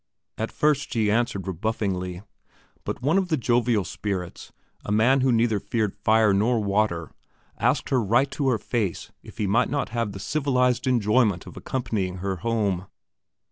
At first she answered rebuffingly; but one of the jovial spirits, a man who neither feared fire nor water, asked her right to her face if he might not have the civilized enjoyment of accompanying her home?